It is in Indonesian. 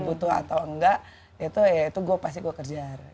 butuh atau enggak itu ya itu gue pasti gue kerja